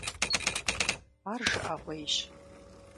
Ар жыӀэгъуейщ.